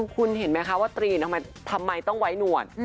คุณเห็นไหมคะว่าตรีนทำไมต้องไว้หนวด